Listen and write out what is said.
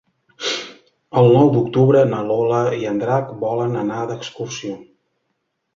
El nou d'octubre na Lola i en Drac volen anar d'excursió.